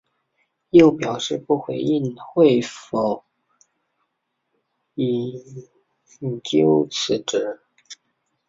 又表示不回应会否引咎辞职。